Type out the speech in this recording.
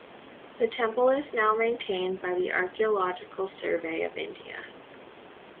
The temple is now maintained by the Archaeological Survey of India.